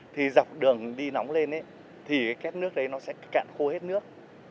thì dọc đường đi nóng lên thì cái két nước đấy nó sẽ cạn khô hết nước